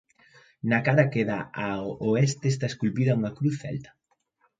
Na cara que dá ao oeste está esculpida unha cruz celta.